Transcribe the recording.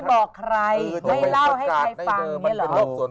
บอกใครไม่เล่าให้ใครฟังเนี่ยเหรอ